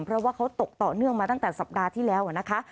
เพราะว่าเขาตกต่อเนื่องมาตั้งแต่สัปดาห์ที่แล้วนะคะ